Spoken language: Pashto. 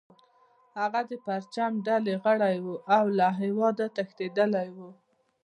هغه د پرچم ډلې غړی و او له هیواده تښتیدلی و